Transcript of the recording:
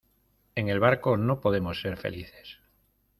en el barco no podemos ser felices